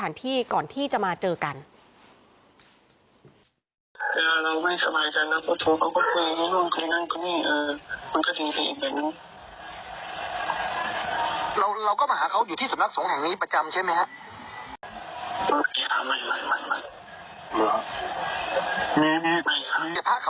เราก็มาหาเขามีสำนักสงงแห่งมือประจำใช่มั้ยครับ